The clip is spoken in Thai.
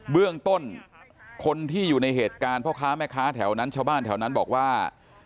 เบื้องต้นคนที่อยู่ในเหตุการณ์พ่อค้าแม่ค้าแถวนั้นชาวบ้านแถวนั้นบอกว่า